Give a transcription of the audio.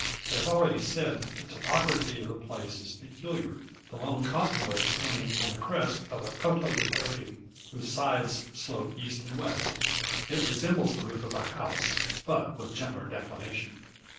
As already said, the topography of the place is peculiar; the lone cottonwood standing on the crest of a couteau de prairie, whose sides slope east and west. It resembles the roof of a house, but with gentler declination.